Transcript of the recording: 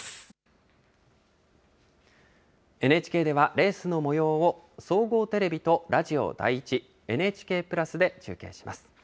ＮＨＫでは、レースのもようを総合テレビとラジオ第１、ＮＨＫプラスで中継します。